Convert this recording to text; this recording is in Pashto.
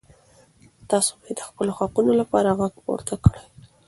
تاسو باید د خپلو حقوقو لپاره غږ پورته کړئ.